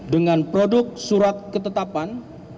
dengan produk surat ketetapan